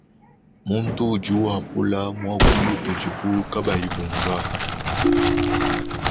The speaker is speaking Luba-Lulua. Muntu udi wakuala muakulu udibu kabayi bunvua.